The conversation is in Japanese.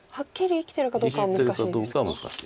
生きてるかどうかは難しい。